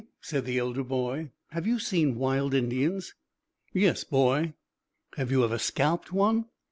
said the elder boy. "Have you seen wild Indians?" "Yes, boy." "Have you ever scalped one?"